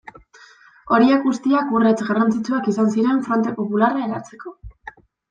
Horiek guztiak urrats garrantzitsuak izan ziren Fronte Popularra eratzeko.